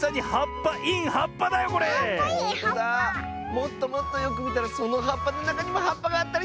もっともっとよくみたらそのはっぱのなかにもはっぱがあったりして！